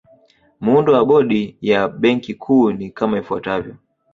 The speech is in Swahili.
Muundo wa Bodi ya Benki Kuu ni kama ifuatavyo